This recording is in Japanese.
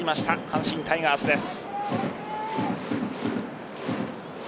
阪神タイガースです。